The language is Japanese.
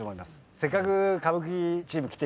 せっかく歌舞伎チーム来ていただいたのに。